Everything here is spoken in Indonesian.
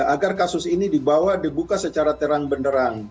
agar kasus ini dibawa dibuka secara terang benderang